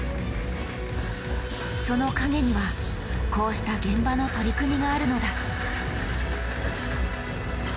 その陰にはこうした現場の取り組みがあるのだ。